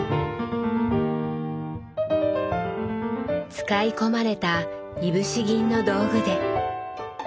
使い込まれたいぶし銀の道具で。